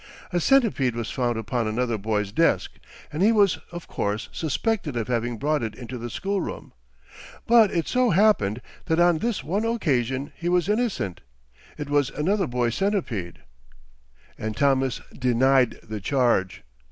A centipede was found upon another boy's desk, and he was of course suspected of having brought it into the school room. But it so happened that on this one occasion he was innocent; it was another boy's centipede; and Thomas denied the charge.